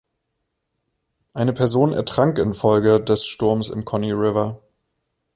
Eine Person ertrank infolge des Sturmes im Conne River.